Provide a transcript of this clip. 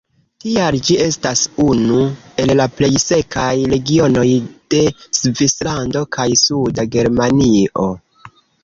Tial ĝi estas unu el la plej sekaj regionoj de Svislando kaj suda Germanio.